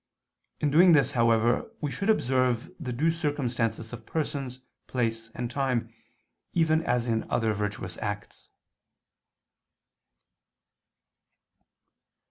In doing this however we should observe the due circumstances of persons, place and time, even as in other virtuous acts.